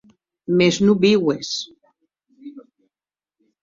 Mès non viues?